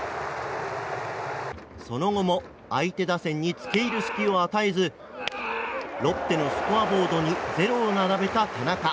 その後も相手打線に付け入る隙を与えずロッテのスコアボードに０を並べた田中。